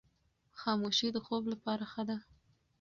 خاموشي د خوب لپاره ښه ده.